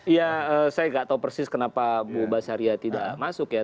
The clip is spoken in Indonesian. ya saya nggak tahu persis kenapa bu basaria tidak masuk ya